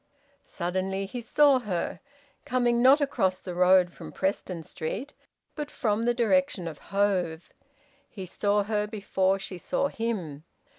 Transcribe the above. Suddenly he saw her, coming not across the road from Preston Street, but from the direction of Hove. He saw her before she saw him.